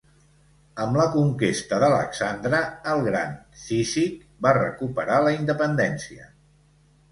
Amb la conquesta d'Alexandre el gran Cízic va recuperar la independència.